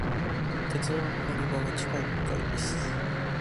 鉄道の乗り場は地下一階です。